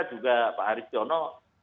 juga pak haris jono